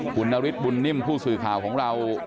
คุณนฤทธบุญนิ่มผู้สื่อข่าวของเรา